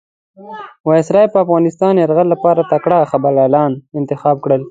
وایسرا پر افغانستان یرغل لپاره تکړه جنرالان انتخاب کړل.